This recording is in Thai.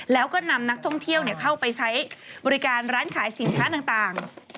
แล้วก็นำนักท่องเที่ยวเข้าไปใช้บริการร้านขายสินค้าต่าง